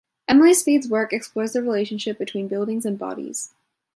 Emily Speed’s work explores the relationship between buildings and bodies.